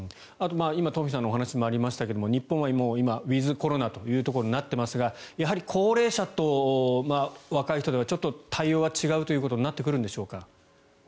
今、東輝さんのお話にもありましたが日本は今、ウィズコロナというところになっていますがやはり高齢者と若い人では対応は違うということになってくるんでしょうか。